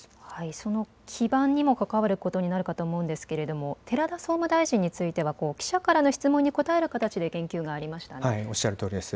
その基盤にもかかわることになるかと思うんですけれども、寺田総務大臣については、記者からの質問に答える形で言及がありまおっしゃるとおりです。